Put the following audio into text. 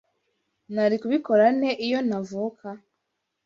Nari kubikora nte iyo ntavuka